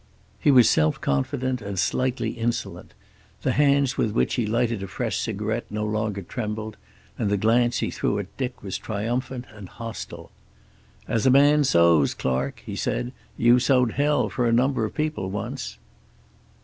He was self confident and slightly insolent; the hands with which he lighted a fresh cigarette no longer trembled, and the glance he threw at Dick was triumphant and hostile. "As a man sows, Clark!" he said. "You sowed hell for a number of people once."